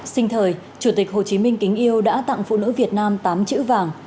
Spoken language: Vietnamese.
sinh thời chủ tịch hồ chí minh kính yêu đã tặng phụ nữ việt nam tám chữ vàng